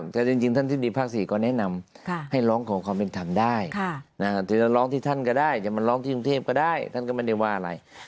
แต่จริงท่านที่ดีภาค๔ก็แนะนำให้ร้องขอความเป็นธรรมได้ถึงจะร้องที่ท่านก็ได้จะมาร้องที่กรุงเทพก็ได้ท่านก็ไม่ได้ว่าอะไร